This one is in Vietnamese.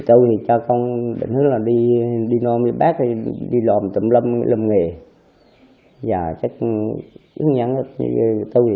tôi thì cho con định hứa là đi đi nôn đi bác đi lòm tụm lâm lâm nghề giờ chắc hướng dẫn tôi thì